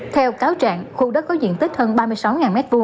theo cáo trạng khu đất có diện tích hơn ba mươi sáu m hai